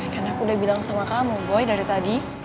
karena aku udah bilang sama kamu boy dari tadi